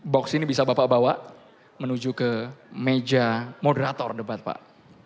box ini bisa bapak bawa menuju ke meja moderator debat pak